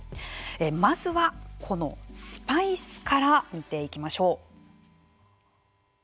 まずは、このスパイスから見ていきましょう。